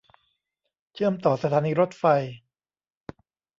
เชื่อมต่อสถานีรถไฟ